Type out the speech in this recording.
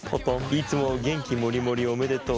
いつも元気モリモリおめでとう！」。